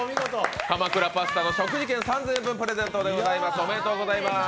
鎌倉パスタの食事券３０００円分プレゼントでございます。